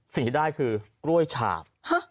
สิ่งที่ได้คือกล้วยฉาบ